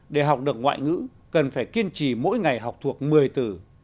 để học được ngoại ngữ cần phải kiên trì mỗi ngày học thuộc một mươi từ